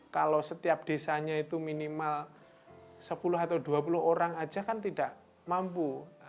kalau setiap desanya itu minimal sepuluh atau dua puluh orang saja kan tidak mampu